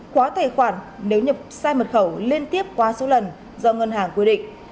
khóa tài khoản nếu nhập sai mật khẩu liên tiếp quá số lần do ngân hàng quy định